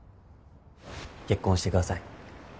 結婚してください